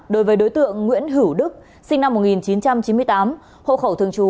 đối với đối tượng nguyễn hữu đức sinh năm một nghìn chín trăm chín mươi tám hộ khẩu thường trú